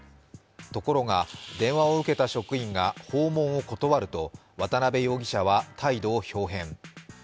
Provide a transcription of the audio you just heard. ところが、電話を受けた職員が訪問を断ると、渡辺容疑者は態度をひょう変。